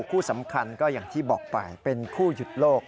คู่สำคัญก็อย่างที่บอกไปเป็นคู่หยุดโลก